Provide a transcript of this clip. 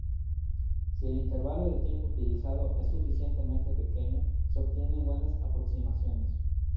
Si el intervalo de tiempo utilizado es suficientemente pequeño, se obtienen buenas aproximaciones.